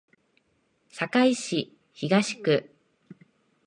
堺市東区